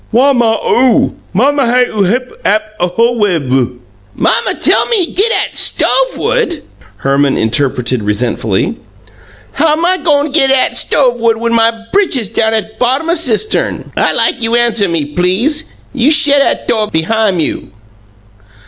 "Wha' ma' oo? Mammy hay oo hip ap hoe woob." "Mammy tell ME git 'at stove wood?" Herman interpreted resentfully. "How'm I go' git 'at stove wood when my britches down bottom 'at cistern, I like you answer ME please? You shet 'at do' behime you!"